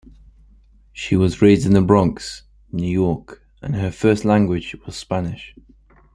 She was raised in the Bronx, New York, and her first language was Spanish.